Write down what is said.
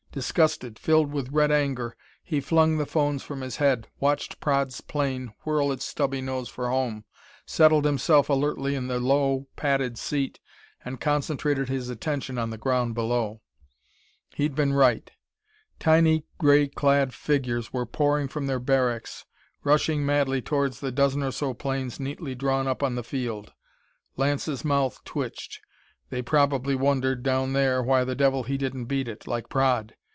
Disgusted, filled with red anger, he flung the phones from his head, watched Praed's plane whirl its stubby nose for home, settled himself alertly in the low, padded seat and concentrated his attention on the ground below. He'd been right. Tiny, gray clad figures were pouring from their barracks, rushing madly towards the dozen or so planes neatly drawn up on the field. Lance's mouth twitched. They probably wondered, down there, why the devil he didn't beat it like Praed!